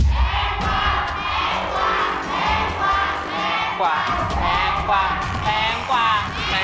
แพงกว่าแพงกว่าแพงกว่า